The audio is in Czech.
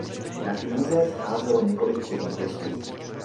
Na knize scházelo několik předních listů.